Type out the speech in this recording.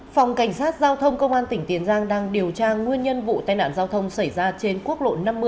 phòng cảnh sát giao thông công an tỉnh tiền giang đang điều tra nguyên nhân vụ tai nạn giao thông xảy ra trên quốc lộ năm mươi